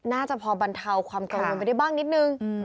น่าจะพอบรรเทาความกังวลไปได้บ้างนิดนึง